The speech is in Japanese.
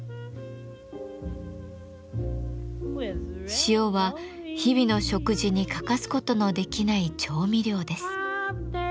塩は日々の食事に欠かすことのできない調味料です。